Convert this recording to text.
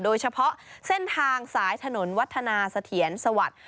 โดยเฉพาะเส้นทางสายถนนวัฒนาเสถียรสวัสดิ์